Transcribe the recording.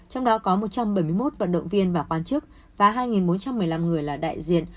trong đó có một trăm bảy mươi một vận động viên và quan chức và hai bốn trăm một mươi năm người là đại diện